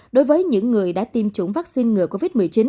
đối với những người đã tiêm chủng vaccine ngừa covid một mươi chín